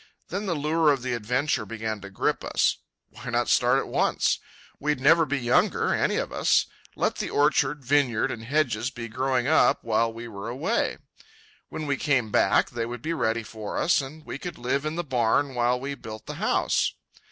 Then the lure of the adventure began to grip us. Why not start at once? We'd never be younger, any of us. Let the orchard, vineyard, and hedges be growing up while we were away. When we came back, they would be ready for us, and we could live in the barn while we built the house.